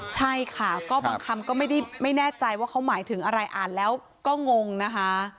ใช่ค่ะก็บางคำก็ไม่แน่ใจว่าเขาหมายถึงอะไรอ่านแล้วก็งงนะคะ